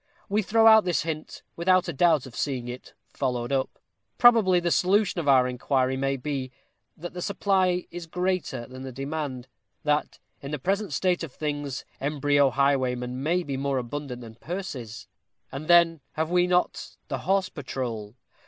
We throw out this hint, without a doubt of seeing it followed up. Probably the solution of our inquiry may be, that the supply is greater than the demand; that, in the present state of things, embryo highwaymen may be more abundant than purses; and then, have we not the horse patrol?